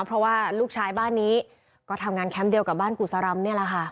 เพราะว่าลูกชายบ้านนี้ก็ทำงานแคมป์เดียวกับบ้านกุศรำนี่แหละค่ะ